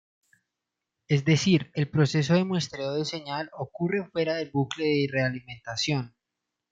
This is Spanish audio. Es decir, el proceso de muestreo de señal ocurre fuera del bucle de realimentación.